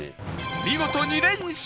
見事２連勝！